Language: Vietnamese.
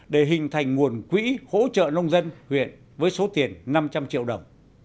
để hình thành nguồn quỹ hỗ trợ nông dân huyện với số tiền năm trăm linh triệu đồng